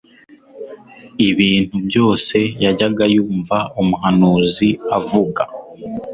Ibintu byose yajyaga yumva umuhanuzi avuga,